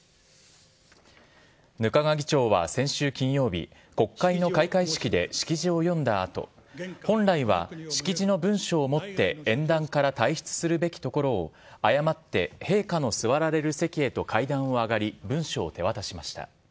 額賀議長は先週金曜日、国会の開会式で式辞を読んだあと、本来は、式辞の文書を持って演壇から退出すべきところを誤って陛下の座られる席へと階段を上がり、文書を手渡しました。